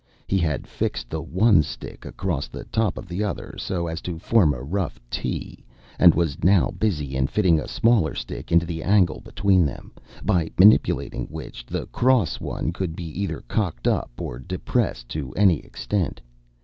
He had fixed the one stick across the top of the other so as to form a rough T, and was now busy in fitting a smaller stick into the angle between them, by manipulating which, the cross one could be either cocked up or depressed to any extent.